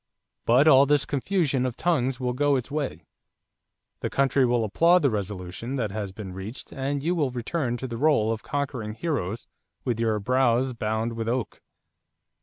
But all this confusion of tongues will go its way. The country will applaud the resolution that has been reached and you will return in the rôle of conquering heroes with your 'brows bound with oak.'"